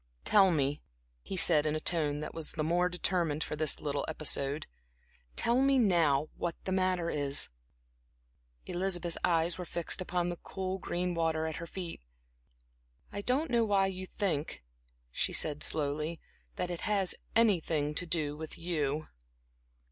"Tell me," he said, in a tone that was the more determined for this little episode "tell me now what the matter is." Elizabeth's eyes were fixed upon the cool, green water at her feet. "I don't know why you think," she said, slowly "that it has anything to do with you."